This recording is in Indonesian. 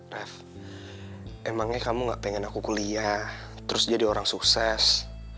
raff emangnya kamu gak pengen aku kuliah terus jadi orang sukses